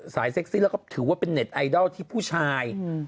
เซ็กซี่แล้วก็ถือว่าเป็นเน็ตไอดอลที่ผู้ชาย